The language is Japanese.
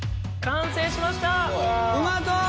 完成しました！